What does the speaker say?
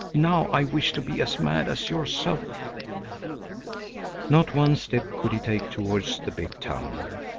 Now I wish to be as mad as yourself." Not one step could he take towards the big town.